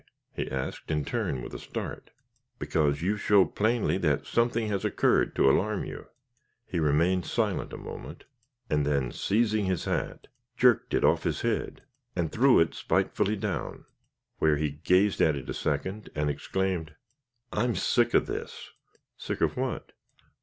he asked, in turn, with a start. "Because you show plainly that something has occurred to alarm you." He remained silent a moment, and then seizing his hat, jerked it off his head, and threw it spitefully down, where he gazed at it a second, and exclaimed, "I'm sick of this." "Sick of what?"